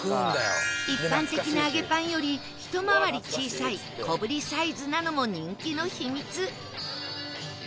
一般的な揚げパンより一回り小さい小ぶりサイズなのも人気の秘密